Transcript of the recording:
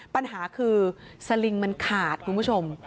ปัญหาคือสลิงมันขาดคุณผู้ชม